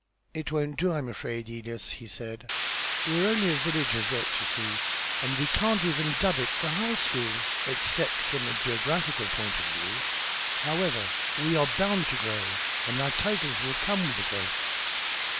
"It won't do, I'm afraid, Elias," he said. "We're only a village as yet, you see, and we can't even dub it the High School, except from a geographical point of view. However, we are bound to grow, and our titles will come with the growth."